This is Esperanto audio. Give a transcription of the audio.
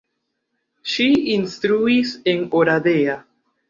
Ŝi instruis en Oradea.